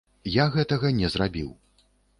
Я гэтага не зрабіў.